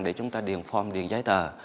để chúng ta điền form điền giấy tờ